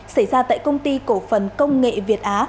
xảy ra tại công ty cổ phần công nghệ việt á